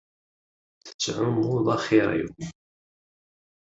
Tettɛummuḍ axiṛ-iw.